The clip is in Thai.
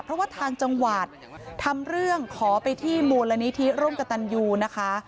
เพราะว่าทางจังหวัดทำเรื่องขอไปที่มูลนิธิร่มกระตันยูนะคะ